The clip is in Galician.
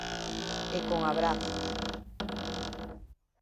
E con abrazos...